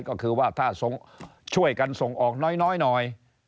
ก็คือว่าถ้าช่วยกันส่งออกน้อยหน่อย